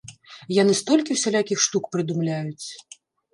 Яны столькі усялякіх штук прыдумляюць.